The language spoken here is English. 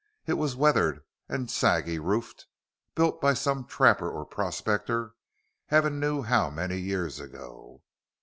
It was weathered and saggy roofed, built by some trapper or prospector heaven knew how many years ago.